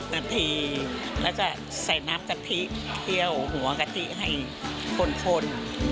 นาทีแล้วก็ใส่น้ำกะทิเคี่ยวหัวกะทิให้คน